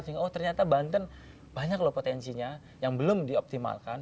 sehingga oh ternyata banten banyak loh potensinya yang belum dioptimalkan